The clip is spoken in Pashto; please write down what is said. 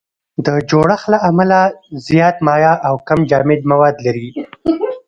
د جوړښت له امله زیات مایع او کم جامد مواد لري.